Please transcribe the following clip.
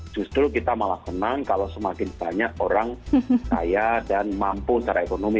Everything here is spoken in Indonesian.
justru kita malah senang kalau semakin banyak orang kaya dan mampu secara ekonomi